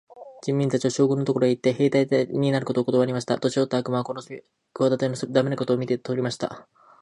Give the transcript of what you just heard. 人民たちは、将軍のところへ行って、兵隊になることをことわりました。年よった悪魔はこの企ての駄目なことを見て取りました。